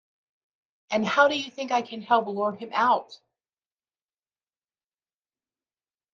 And how do you think I can help lure him out?